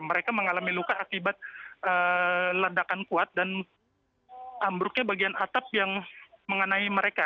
mereka mengalami luka akibat ledakan kuat dan ambruknya bagian atap yang mengenai mereka